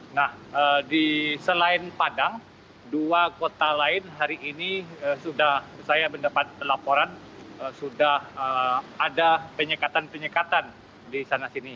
nah selain padang dua kota lain hari ini sudah saya mendapat laporan sudah ada penyekatan penyekatan di sana sini